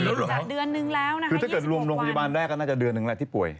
ถ้าเกิดรวมโรงพยาบาลแรกก็แไม่จนเดือนนึงครับที่ป่วย